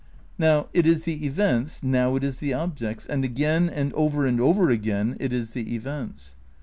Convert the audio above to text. Now it is the events, now it is the objects, and again, and over and over again, it is the events.